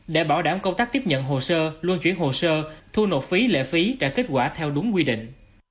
để bảo đảm công tác tiếp nhận hồ sơ luân chuyển hồ sơ thu nộp phí lệ phí trả kết quả theo đúng quy định